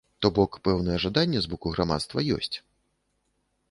То бок пэўнае жаданне з боку грамадства ёсць.